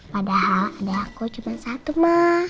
padahal adik aku cuman satu ma